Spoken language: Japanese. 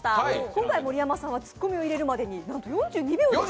今回盛山さんはツッコミを入れるまでになんと４２秒。